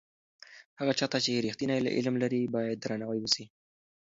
هغه چا ته چې رښتینی علم لري باید درناوی وسي.